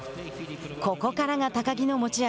ここからが高木の持ち味。